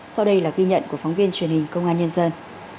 sau đây là ghi nhận của phóng viên truyền hình công an nhân dân